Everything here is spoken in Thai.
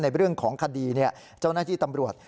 ในเรื่องของคดีเจ้าหน้าที่ตำรวจ